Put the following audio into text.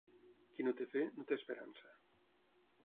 Qui no té fe, no té esperança.